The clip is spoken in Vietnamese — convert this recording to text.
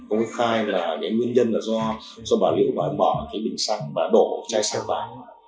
ông điểm cũng khai là nguyên nhân là do bà liễu phải mở bình xăng và đổ chai xe vào